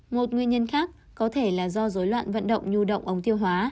một nguyên nhân khác có thể là do dối loạn vận động nhu động ống tiêu hóa